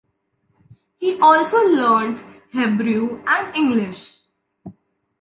He also learnt Hebrew and English